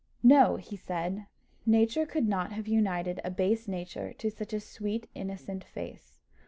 "No," said he, "nature could not have united a base nature to such a sweet innocent face.